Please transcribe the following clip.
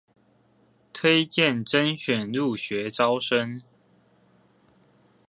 推薦甄選入學招生